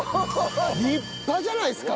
立派じゃないですか？